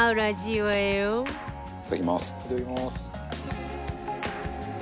いただきます。